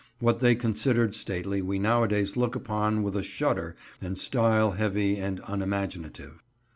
What they considered stately we nowadays look upon with a shudder and style heavy and unimaginative.